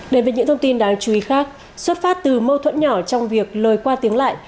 đến với những thông tin đáng chú ý khác xuất phát từ mâu thuẫn nhỏ trong việc lời qua tiếng lại